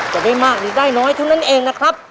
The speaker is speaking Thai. จะได้มากหรือได้น้อยเท่านั้นเองนะครับ